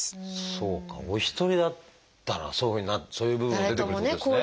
そうかお一人だったらそういうふうになるそういう部分も出てくるってことですね。